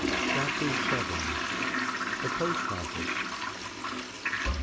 CHAPTER VII. THE POST OFFICE.